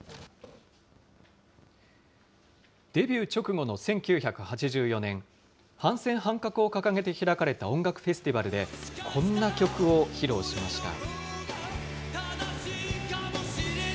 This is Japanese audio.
デビュー直後の１９８４年、反戦・反核を掲げて開かれた音楽フェスティバルで、こんな曲を披露しました。